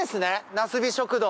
なすび食堂。